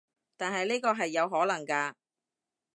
但係呢個係有可能㗎